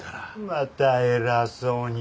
また偉そうに。